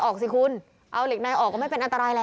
เป็นพระรูปนี้เหมือนเคี้ยวเหมือนกำลังทำปากขมิบท่องกระถาอะไรสักอย่าง